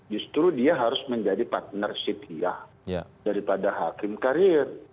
justru dia harus menjadi partner setia daripada hakim karier